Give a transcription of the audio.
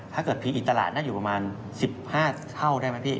ถ้าเกิดพีอิตลาดน่าอยู่ประมาณ๑๕เท่าได้ไหมพี่